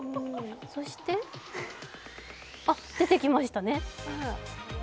そして出てきましたね。